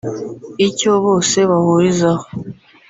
Icyo bose bahurizaho